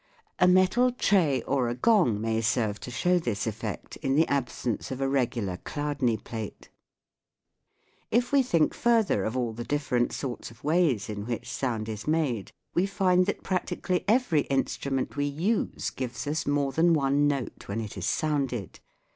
A metal tray or a gong may serve to show this effect in the absence of a regular Chladni plate. If we think further of all the different sorts of ways in which sound is made, we find that practi cally every instrument we use gives us more than one note when it is sounded.